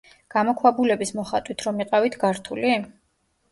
გამოქვაბულების მოხატვით რომ იყავით გართული?